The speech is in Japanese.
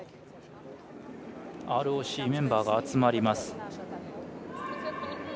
ＲＯＣメンバーが集まります。